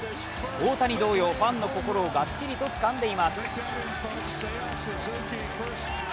大谷同様ファンの心をがっちりつかんでいます。